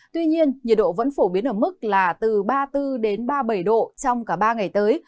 tuy nhiên nhiệt độ vẫn phổ biến ở mức là từ ba mươi bốn ba mươi bảy độ trong cả ba ngày tới